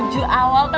jangan ya ampun